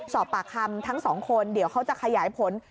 สอบปากคำทั้งสองคนเดี๋ยวเขาจะขยายผล